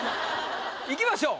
いきましょう。